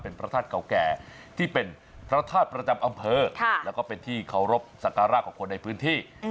เป็นพระธาตุเก่าแก่ที่เป็นพระธาตุประจำอำเภอแล้วก็เป็นที่เคารพสักการะของคนในพื้นที่